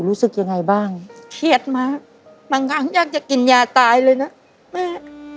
รู้สึกยังไงบ้างเครียดมากบางครั้งอยากจะกินยาตายเลยนะแม่